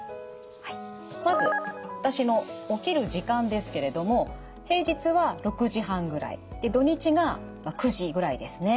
まず私の起きる時間ですけれども平日は６時半ぐらいで土日が９時ぐらいですね。